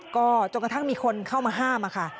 ก็จนกระทั่งมีคนเข้ามาห้ามค่ะ